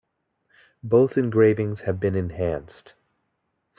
Both engravings have been enhanced.